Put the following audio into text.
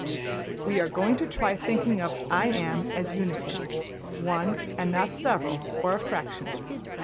We are going to try thinking of `I Am' as Unity; one, and not several or a fraction.